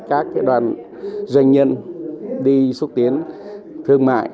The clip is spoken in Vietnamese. các đoàn doanh nhân đi xúc tiến thương mại